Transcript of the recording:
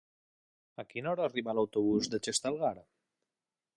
A quina hora arriba l'autobús de Xestalgar?